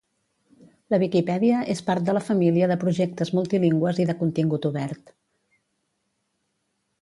La Viquipèdia és part de la família de projectes multilingües i de contingut obert